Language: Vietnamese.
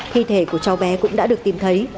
thi thể của cháu bé cũng đã được tìm thấy